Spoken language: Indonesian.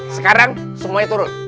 sekarang semuanya turun